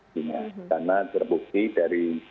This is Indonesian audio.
karena terbukti dari